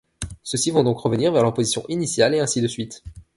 Ceux-ci vont donc revenir vers leur position initiale, et ainsi de suite...